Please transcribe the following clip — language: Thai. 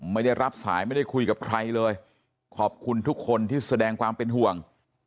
ไม่ได้รับสายไม่ได้คุยกับใครเลยขอบคุณทุกคนที่แสดงความเป็นห่วง